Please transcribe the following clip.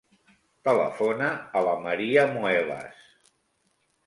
Telefona a la Maria Muelas.